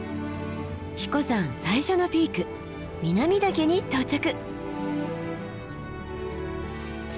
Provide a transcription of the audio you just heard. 英彦山最初のピーク南岳に到着！